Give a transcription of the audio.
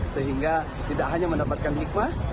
sehingga tidak hanya mendapatkan hikmah